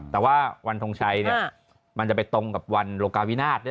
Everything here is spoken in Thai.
แต่ว่าวันทงชัยมันจะไปตรงกับวันโลกาวินาท